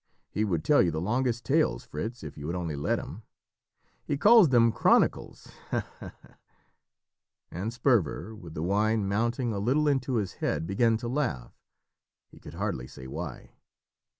He would tell you the longest tales, Fritz, if you would only let him. He calls them chronicles ha, ha!" And Sperver, with the wine mounting a little into his head, began to laugh, he could hardly say why.